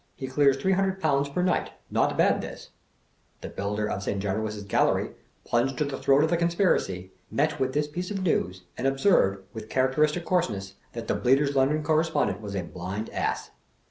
He clears three hundred pounds per night. Not bad this!!" The builder of St. Januarius' Gallery (plunged to the throat in the conspiracy) met with this piece of news, and ob served, with characteristic coarseness, "that the Bleatei^s London Correspondent was a Bliad Ass."